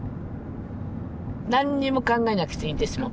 何にも考えなくていいんですもん